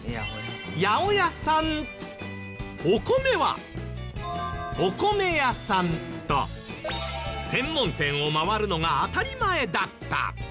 お米はお米屋さんと専門店を回るのが当たり前だった。